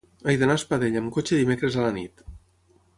He d'anar a Espadella amb cotxe dimecres a la nit.